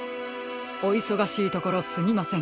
おいそがしいところすみません。